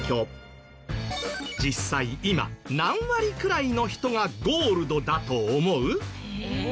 実際今何割くらいの人がゴールドだと思う？